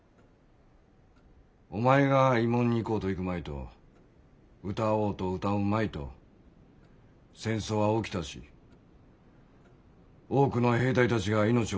お前が慰問に行こうと行くまいと歌おうと歌うまいと戦争は起きたし多くの兵隊たちが命を落とした。